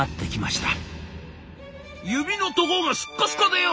「指のとこがスッカスカでよ